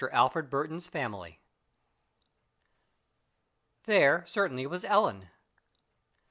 ALFRED BURTON'S FAMILY There certainly was Ellen!